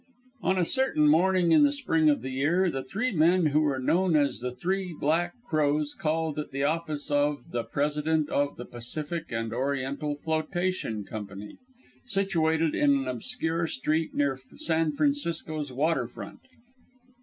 On a certain morning in the spring of the year, the three men who were known as the Three Black Crows called at the office of "The President of the Pacific and Oriental Flotation Company," situated in an obscure street near San Francisco's water front.